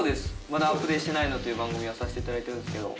『まだアプデしてないの？』という番組をさせて頂いてるんですけど。